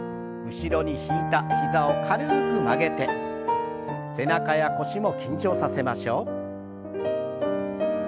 後ろに引いた膝を軽く曲げて背中や腰も緊張させましょう。